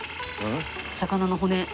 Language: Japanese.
魚の骨。